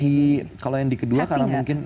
di kalau yang di kedua karena mungkin